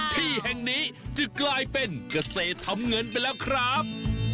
ที่แห่งนี้จะกลายเป็นเกษตรทำเงินไปแล้วครับ